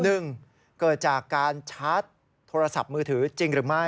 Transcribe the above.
หนึ่งเกิดจากการชาร์จโทรศัพท์มือถือจริงหรือไม่